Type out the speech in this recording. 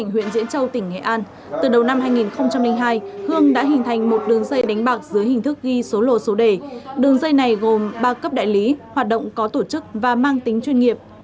hình thức ghi số lộ số đề đường dây này gồm ba cấp đại lý hoạt động có tổ chức và mang tính chuyên nghiệp